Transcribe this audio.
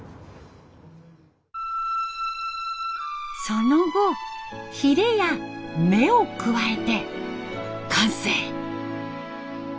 その後ヒレや目を加えて完成。